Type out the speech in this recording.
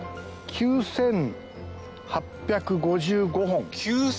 ９８５５。